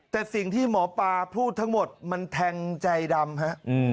แต่สิ่งที่หมอปลาพูดทั้งหมดมันแทงใจดำฮะ